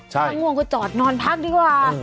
ถ้าง่วงก็จอดนอนพักดีกว่า